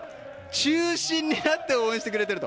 中心にあって応援してくれていると。